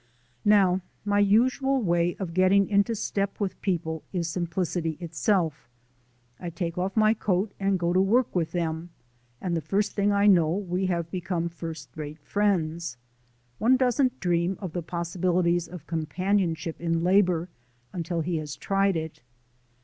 Now, my usual way of getting into step with people is simplicity itself. I take off my coat and go to work with them and the first thing I know we have become first rate friends. One doesn't dream of the possibilities of companionship in labour until he has tried it.